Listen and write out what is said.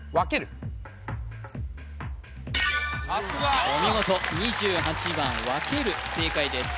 さすがお見事２８番わける正解です